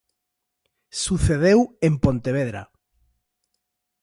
Sucedeu en Pontevedra.